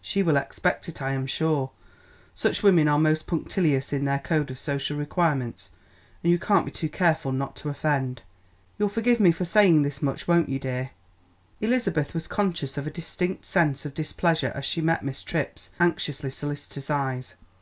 She will expect it, I am sure; such women are most punctilious in their code of social requirements, and you can't be too careful not to offend. You'll forgive me for saying this much, won't you, dear?" Elizabeth was conscious of a distinct sense of displeasure as she met Miss Tripp's anxiously solicitous eyes.